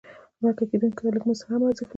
مرکه کېدونکي ته لږ مزد هم ارزښت لري.